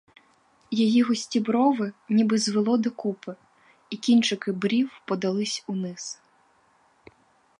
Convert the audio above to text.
Її густі брови ніби звело докупи, і кінчики брів подались униз.